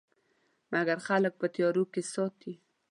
مګر خلک په تیارو کې ساتي.